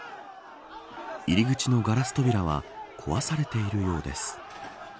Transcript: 入り口のガラス扉は壊されているようです。